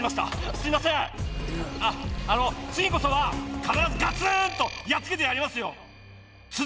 あっあのつぎこそはかならずガツーンとやっつけてやりますよ。